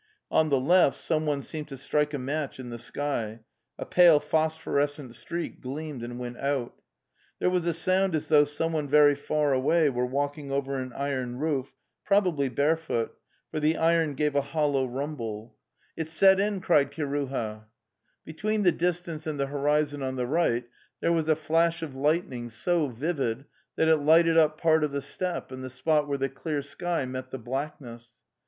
On the left someone seemed to strike a match in the sky; a pale phosphorescent streak gleamed and went out. There was a sound as though someone very far away were walking over an iron roof, prob ably barefoot, for the iron gave a hollow rumble. ' cried Panteley, throwing up up The Steppe: ii) 272 Y Lisisepanl? seried | Kinuha: Between the distance and the horizon on the right there was a flash of lightning so vivid that it lighted up part of the steppe and the spot where the clear sky met the blackness.